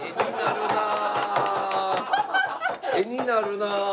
画になるなあ。